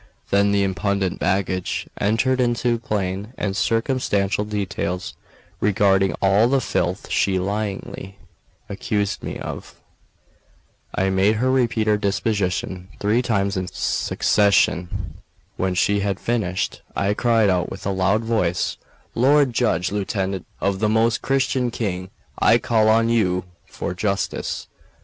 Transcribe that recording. Then the impudent baggage entered into plain and circumstantial details regarding all the filth she lyingly accused me of. I made her repeat her deposition three times in succession. When she had finished, I cried out with a loud voice: "Lord judge, lieutenant of the Most Christian King, I call on you for justice.